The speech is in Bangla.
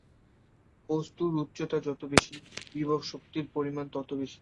বস্তুর উচ্চতা যত বেশি, বিভব শক্তির পরিমাণ তত বেশি।